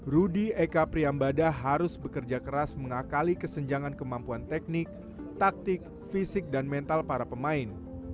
rudy eka priyambada harus bekerja keras mengakali kesenjangan kemampuan teknik taktik fisik dan mental para pemain